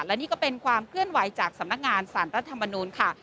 และนี่ก็เป็นความเคลื่อนไหวจากสำนักงานสารรัฐมนูลค่ะ